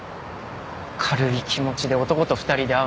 軽い気持ちで男と２人で会うの良くないよ。